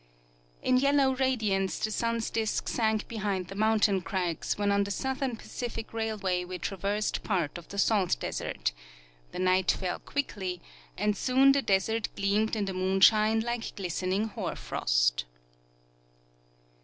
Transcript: In yellow radiance the sun's disk sank behind the mountain crags when on the Southern Pacific railway we traversed part of the salt desert; the night fell quickly, and soon the desert gleamed in the moonshine like glistening hoar frost.